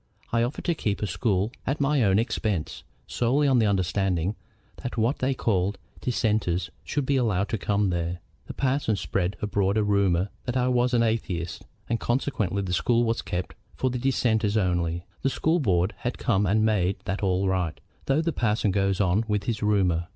I offered to keep a school at my own expense, solely on the understanding that what they call Dissenters should be allowed to come there. The parson spread abroad a rumor that I was an atheist, and consequently the School was kept for the Dissenters only. The School board has come and made that all right, though the parson goes on with his rumor.